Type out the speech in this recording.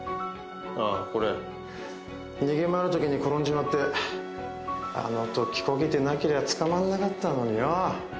あこれ逃げ回るときに転んじまってあのときこけてなけりゃ捕まんなかったのによ。